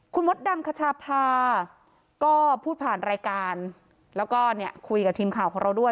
คุณมดดำคชาพาก็พูดผ่านรายการแล้วก็เนี่ยคุยกับทีมข่าวของเราด้วย